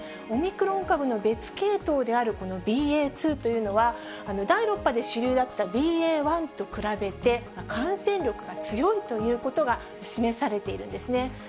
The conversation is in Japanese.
オミクロン株の別系統であるこのＢＡ．２というのは、第６波で主流だったＢＡ．１と比べて、感染力が強いということが示されているんですね。